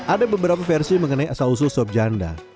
ada beberapa versi mengenai asal usul sobjanda